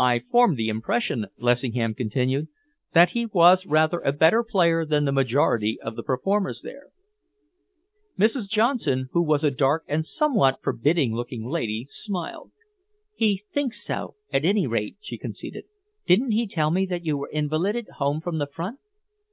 "I formed the impression," Lessingham continued, "that he was rather a better player than the majority of the performers there." Mrs. Johnson, who was a dark and somewhat forbidding looking lady, smiled. "He thinks so, at any rate," she conceded. "Didn't he tell me that you were invalided home from the front?"